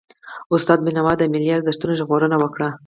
استاد بينوا د ملي ارزښتونو ژغورنه وکړه.